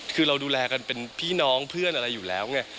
คือเราดูแลกันเป็นพี่น้องเพื่อนอะไรอยู่แล้วไง